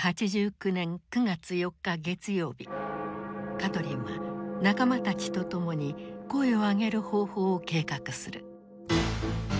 カトリンは仲間たちと共に声を上げる方法を計画する。